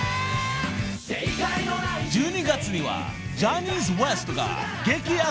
［１２月にはジャニーズＷＥＳＴが激アツ